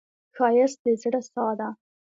ښایست د زړه ساه ده